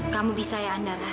kamu bisa ya andara